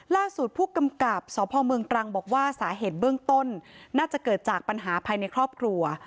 ล่าสุดผู้กำกับสพเมืองตรังบอกว่าสาเหตุเบื้องต้นน่าจะเกิดจากปัญหาภายในครอบครัว